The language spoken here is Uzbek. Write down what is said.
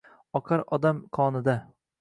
oqar odam qonida.